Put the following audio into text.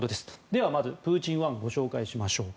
では、まずプーチン１をご紹介しましょう。